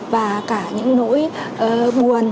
và cả những nỗi buồn